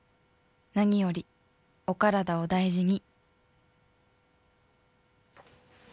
「何よりお体お大事に」